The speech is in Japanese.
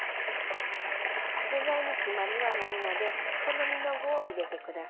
具材に決まりはないので好みの具を入れて下さい。